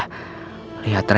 lihat rena pergi sama mbak elsa